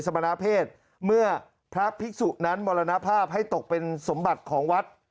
สมณเพศเมื่อพระภิกษุนั้นมรณภาพให้ตกเป็นสมบัติของวัด